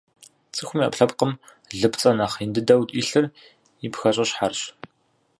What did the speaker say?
Цӏыхум и ӏэпкълъэпкъым лыпцӏэ нэхъ ин дыдэу илъыр и пхэщӏыщхьэрщ.